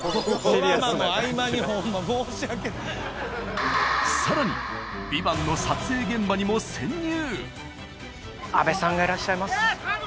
ドラマの合間にホンマ申し訳ないさらに「ＶＩＶＡＮＴ」の撮影現場にも潜入！